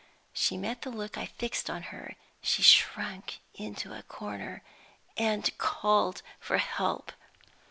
She met the look I fixed on her; she shrunk into a corner, and called for help.